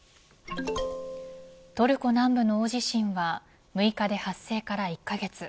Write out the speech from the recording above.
トルコ南部の大地震は６日で発生から１カ月。